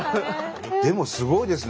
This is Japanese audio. でもすごいですね。